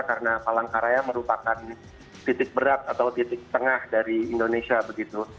karena palangkaraya merupakan titik berat atau titik tengah dari indonesia begitu